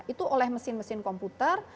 itu oleh mesin mesin komputer